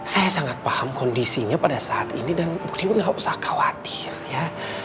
saya sangat paham kondisinya pada saat ini dan bu dewi gak usah khawatir ya